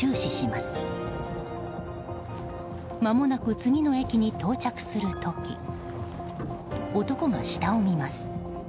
まもなく次の駅に到着する時男が下を見ます。